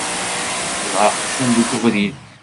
Yenɣa aqjun deg ubrid.